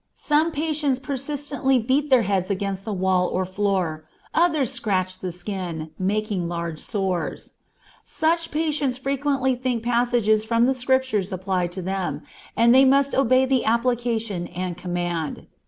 Some patients persistently beat their heads against the wall or floor, others scratch the skin, making large sores. Such patients frequently think certain passages from the Scriptures apply to them, and they must obey the application and command.